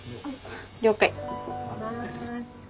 了解。